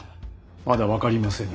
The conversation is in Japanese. まだ分かりませぬ。